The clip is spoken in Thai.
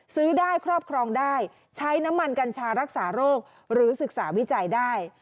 ซื้อได้ครอบครองได้ใช้น้ำมันกัญชารักษาโรคหรือศึกษาวิจัยได้